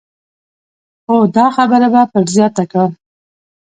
خو دا خبره به پر زیاته کړم.